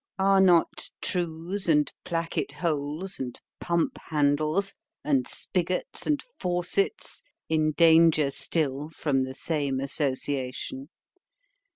Are not trouse, and placket holes, and pump handles—and spigots and faucets, in danger still from the same association?